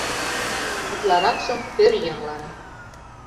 Утларакшым пӧръеҥлан.